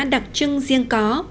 đặc trưng riêng có